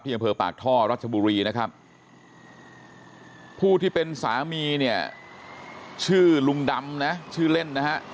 อำเภอปากท่อรัชบุรีนะครับผู้ที่เป็นสามีเนี่ยชื่อลุงดำนะชื่อเล่นนะฮะ